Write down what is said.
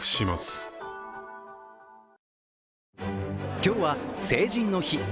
今日は成人の日。